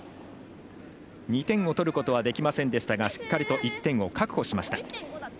２点を取ることはできませんでしたがしっかりと１点を確保しました。